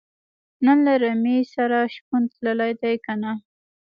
نن له رمې سره شپون تللی دی که نۀ